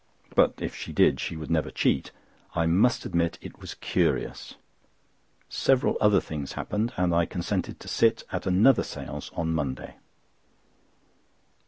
But if she did, she would never cheat. I must admit it was curious. Several other things happened, and I consented to sit at another séance on Monday.